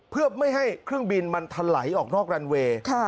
เพื่อไม่ให้เครื่องบินมันถลายออกนอกรันเวย์